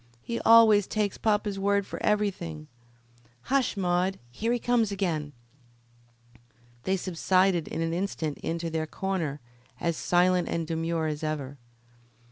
He always takes papa's word for everything. Hush, Maude; here he comes again." They subsided in an instant into their corner as silent and demure as ever.